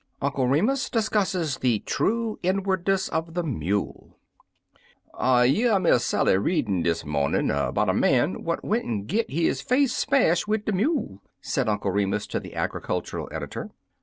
UNCLE REMUS DISCUSSES THE TRUE INWARDNESS OF THE MULE I YEAR Miss Sally readin* dis mawnin' *bout er man what went an* git his face smashed wid er mule/* said Uncle Re mus to the agricultural editor.